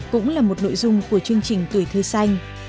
cũng là một nội dung của chương trình tuổi thơ xanh